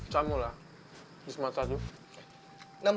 kamu bisa makan saja